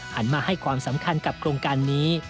หันมาให้ความสำคัญกับโครงการนี้